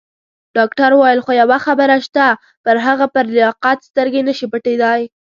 ډاکټر وویل: خو یوه خبره شته، پر هغه پر لیاقت سترګې نه شي پټېدای.